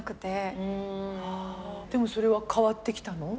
でもそれは変わってきたの？